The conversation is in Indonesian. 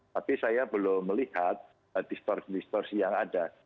tapi saya belum melihat distorsi distorsi yang ada